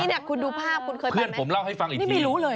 คุณดูภาพคุณเคยไปมั้ยนี่ไม่รู้เลยนะเนี่ยพี่เพื่อนผมเล่าให้ฟังอีกที